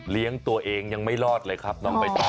เลี้ยงตัวเองยังไม่รอดเลยครับน้องใบตอง